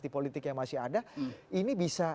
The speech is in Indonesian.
di politik yang masih ada ini bisa